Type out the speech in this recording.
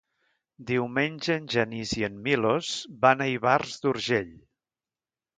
Diumenge en Genís i en Milos van a Ivars d'Urgell.